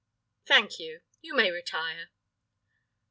"Thank you. You may retire."